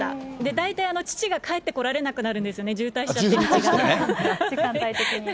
大体、父が帰ってこられなくなるんですよね、渋滞しちゃって、渋滞してね。